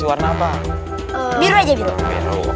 ini bukan baju aku